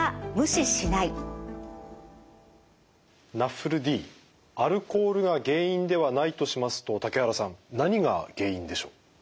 ＮＡＦＬＤアルコールが原因ではないとしますと竹原さん何が原因でしょう？